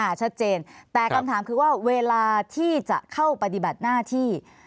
ชัดเจนแต่คำถามคือว่าเวลาที่จะเข้าปฏิบัติหน้าที่